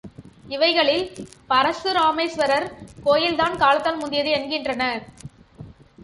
இவைகளில் பரசுராமேஸ்வரர் கோயில்தான் காலத்தால் முந்தியது என்கின்றனர்.